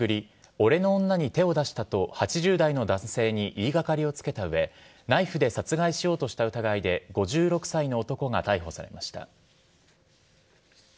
俺の女に手を出したと８０代の男性に言いがかりをつけた上ナイフで殺害しようとした疑いで５６歳の男が逮捕されました。